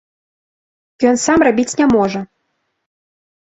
Ён сам рабіць не можа.